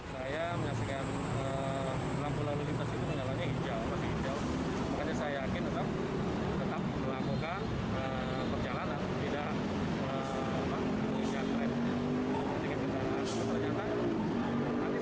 semoga perjalanan tidak menghidupkan kred